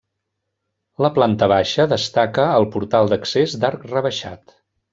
La planta baixa destaca el portal d'accés d'arc rebaixat.